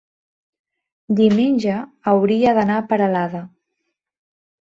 diumenge hauria d'anar a Peralada.